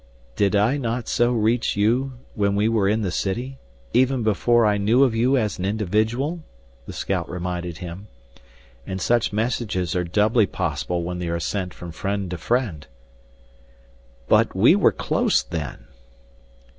"Did I not so reach you when we were in the city even before I knew of you as an individual?" the scout reminded him. "And such messages are doubly possible when they are sent from friend to friend." "But we were close then."